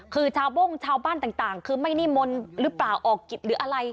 คือชาวโบ้งชาวบ้านต่างคือไม่นิมนต์หรือเปล่าออกกิจหรืออะไร